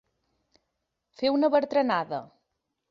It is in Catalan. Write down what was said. Fer una bertranada.